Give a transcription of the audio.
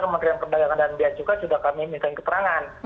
kementerian perdagangan dan biaya cukai sudah kami minta keterangan